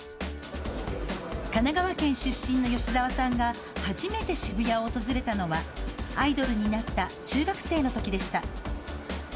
神奈川県出身の吉澤さんが初めて渋谷を訪れたのはアイドルになった中学生のときでした。